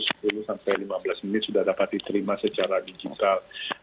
sampai lima belas menit sudah dapat diterima secara digital